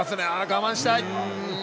我慢したい。